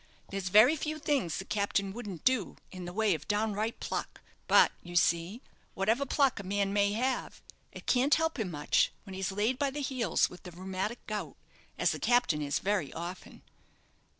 There's very few things the captain wouldn't do in the way of downright pluck; but, you see, whatever pluck a man may have, it can't help him much when he's laid by the heels with the rheumatic gout, as the captain is very often."